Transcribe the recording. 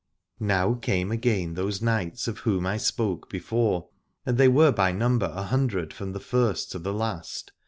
Now came again those knights of whom I spoke before : and they were by number a hundred from the first to the last.